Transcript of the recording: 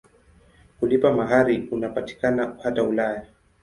Kulipa mahari unapatikana hata Ulaya.